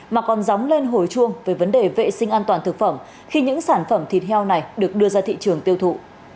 mà còn dóng lên hồi chuông về vấn đề vệ sinh an toàn thực phẩm khi những sản phẩm thịt heo này được đưa ra thị trường tiêu thụ